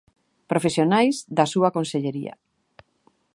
Profesionais da súa consellería.